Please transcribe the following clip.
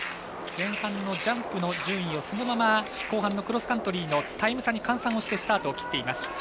前半のジャンプの順位をそのまま、後半のクロスカントリーのタイム差に換算してスタートを切っています。